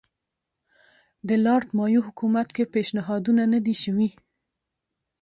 د لارډ مایو حکومت کې پېشنهادونه نه دي شوي.